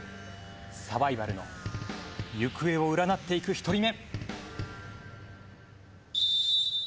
サバイバルの行方を占っていく１人目。